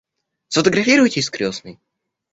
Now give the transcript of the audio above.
Сфотографируетесь с крестной?